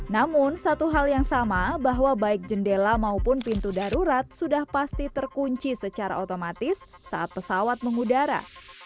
namun satu hal yang sama bahwa baik jendela maupun pintu darurat sudah pasti terkunci secara otomatis saat pesawat mengudara